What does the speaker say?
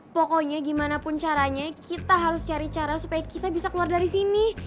pokoknya gimana pun caranya kita harus cari cara supaya kita bisa keluar dari sini